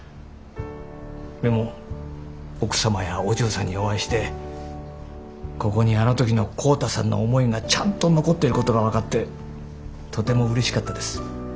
でも奥様やお嬢さんにお会いしてここにあの時の浩太さんの思いがちゃんと残っていることが分かってとてもうれしかったです。